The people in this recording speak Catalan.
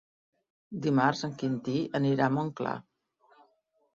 Dimarts en Quintí anirà a Montclar.